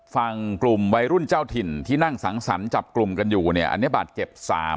ฝั่งกลุ่มวัยรุ่นเจ้าถิ่นที่นั่งสังสรรค์จับกลุ่มกันอยู่เนี่ยอันนี้บาดเจ็บ๓